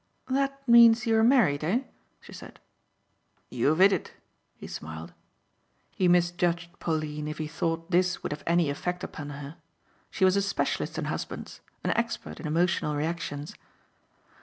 "That means you are married, eh?" she said. "You've 'it it," he smiled. He misjudged Pauline if he thought this would have any effect upon her. She was a specialist in husbands, an expert in emotional reactions.